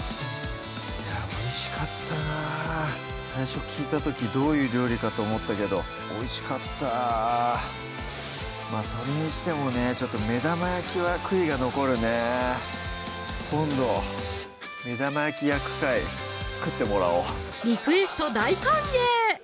いやおいしかったな最初聞いた時どういう料理かと思ったけどおいしかったまぁそれにしてもねちょっと目玉焼きは悔いが残るね今度目玉焼き焼く回作ってもらおうリクエスト大歓迎！